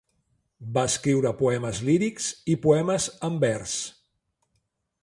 Va escriure poemes lírics i poemes en vers.